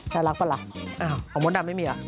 ชาวรักป่ะล่ะเอาหมดดำไม่มีเหรอ